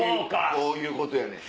こういうことやねん。